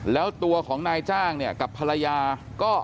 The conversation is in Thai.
แล้วตัวของนายจ้างเนี่ยกับภรรยาก็